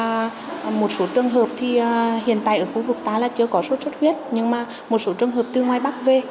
và một số trường hợp thì hiện tại ở khu vực ta là chưa có sốt xuất huyết nhưng mà một số trường hợp từ ngoài bắc về